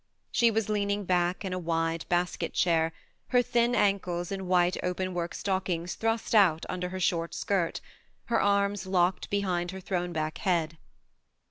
She was leaning back in a wide basket chair, her thin ankles in white open work stockings thrust out under her short skirt, her arms locked behind her thrown back head.